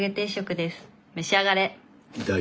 召し上がれ！